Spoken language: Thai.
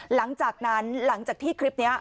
หลังจากนั้นหลังจากที่คลิปนี้